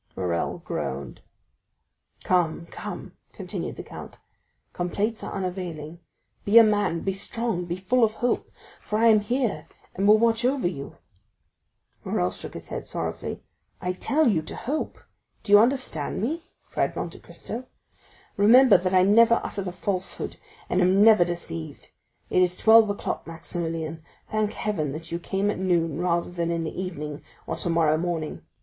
Morrel groaned. "Come, come," continued the count, "complaints are unavailing, be a man, be strong, be full of hope, for I am here and will watch over you." Morrel shook his head sorrowfully. "I tell you to hope. Do you understand me?" cried Monte Cristo. "Remember that I never uttered a falsehood and am never deceived. It is twelve o'clock, Maximilian; thank heaven that you came at noon rather than in the evening, or tomorrow morning.